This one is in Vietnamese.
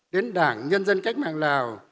đến đảng nhân dân cách mạng lào